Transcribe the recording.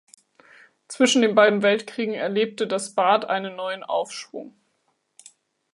Zwischen den beiden Weltkriegen erlebte das Bad einen neuen Aufschwung.